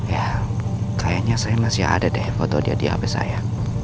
ya kayaknya saya masih ada deh foto dia di hp saya